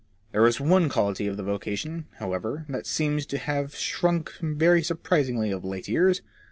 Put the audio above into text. There is one quality of the vocation, however, that seems to me to have shrunk very surprisingly of late years.